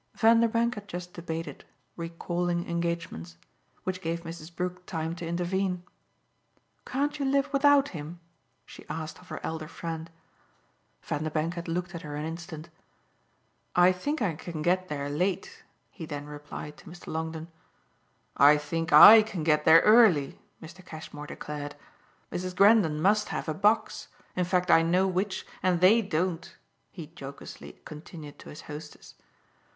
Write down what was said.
Vanderbank had just debated, recalling engagements; which gave Mrs. Brook time to intervene. "Can't you live without him?" she asked of her elder friend. Vanderbank had looked at her an instant. "I think I can get there late," he then replied to Mr. Longdon. "I think I can get there early," Mr. Cashmore declared. "Mrs. Grendon must have a box; in fact I know which, and THEY don't," he jocosely continued to his hostess.